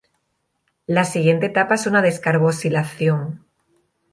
La siguiente etapa es una descarboxilación.